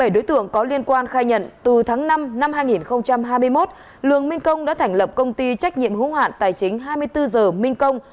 bảy đối tượng có liên quan khai nhận từ tháng năm năm hai nghìn hai mươi một lường minh công đã thành lập công ty trách nhiệm hữu hạn tài chính hai mươi bốn h minh công